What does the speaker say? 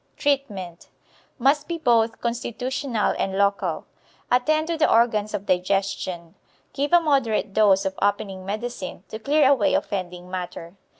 Treatment Must be both constitutional and local. Attend to the organs of digestion. Give a moderate dose of opening medicine, to clear away offending matter.